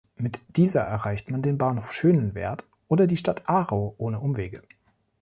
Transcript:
Mit dieser erreicht man den Bahnhof Schönenwerd oder die Stadt Aarau ohne Umwege.